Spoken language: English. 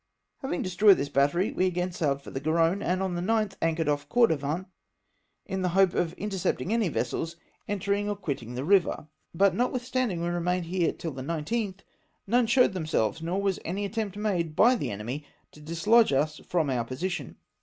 Having destroyed this battery, we again sailed for the Garonne, and on the 9th anchored off Cordovan, in the hope of intercepting any vessels entering or quit ting the river ; but notwithstandino; we remained here till the 19th, none showed themselves, nor was any attempt made by the enemy to dislodge us from our position.